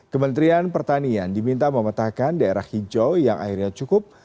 kementerian pertanian diminta memetahkan daerah hijau yang akhirnya cukup